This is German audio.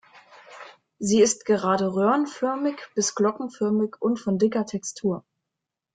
Sie ist gerade röhrenförmig bis glockenförmig und von dicker Textur.